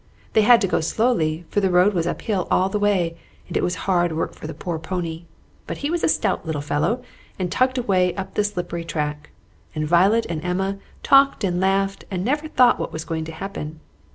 They had to go slowly, for the road was up hill all the way, and it was hard work for the poor pony. But he was a stout little fellow, and tugged away up the slippery track, and Violet and Emma talked and laughed, and never thought what was going to happen.